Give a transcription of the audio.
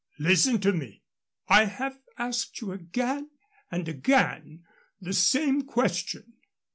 Listen to me. I have asked you again and again the same question.